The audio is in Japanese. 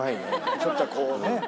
ちょっとこうね